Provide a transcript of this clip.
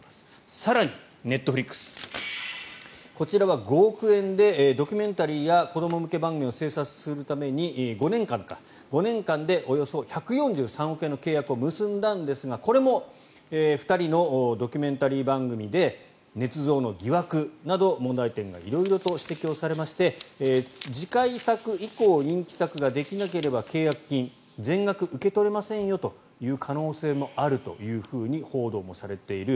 更に、ネットフリックスこちらは５年間でドキュメンタリーや子ども向け番組を制作するために５年間でおよそ１４３億円の契約を結んだんですが、これも２人のドキュメンタリー番組でねつ造の疑惑など問題点が色々と指摘をされまして次回作以降人気作ができなければ契約金、全額受け取れませんよという可能性もあると報道もされている。